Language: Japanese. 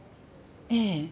ええ。